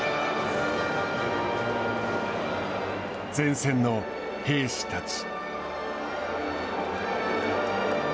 前線の兵士たち。